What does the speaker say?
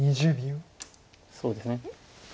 そうですね。